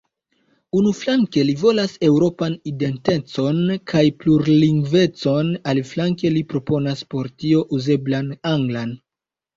Unuflanke, li volas eŭropan identecon kaj plurlingvecon, aliflanke li proponas por tio "uzeblan anglan".